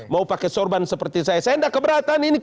mau pakai sorban seperti saya saya tidak keberatan ini